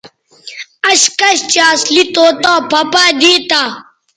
اش کش چہء اصلی طوطا پھہ پائ دیتہ